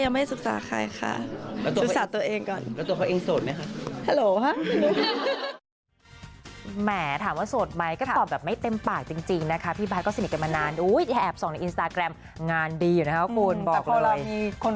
ยังไม่ศึกษาใครค่ะศึกษาตัวเองก่อน